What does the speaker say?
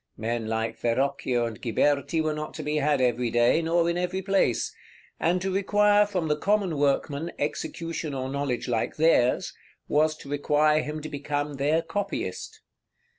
Men like Verrocchio and Ghiberti were not to be had every day, nor in every place; and to require from the common workman execution or knowledge like theirs, was to require him to become their copyist.